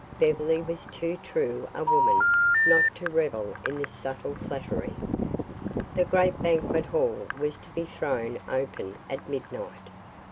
Beverly was too true a woman not to revel in this subtle flattery. The great banquet hall was to be thrown open at midnight.